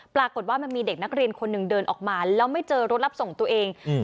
ปรากฏว่ามันมีเด็กนักเรียนคนหนึ่งเดินออกมาแล้วไม่เจอรถรับส่งตัวเองอืม